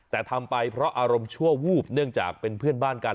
แต่ทำไปเพราะอารมณ์ชั่ววูบเนื่องจากเป็นเพื่อนบ้านกัน